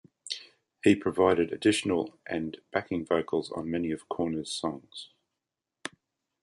He provided additional and backing vocals on many of Korner's songs.